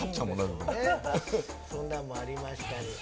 そんなんもありましたし。